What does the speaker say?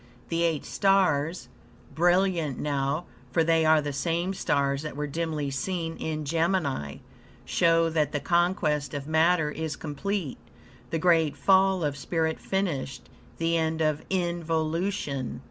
The eight stars, brilliant now (for they are the same stars that were dimly seen in Gemini), show that the conquest of matter is complete, the great fall of spirit finished; the end of involution.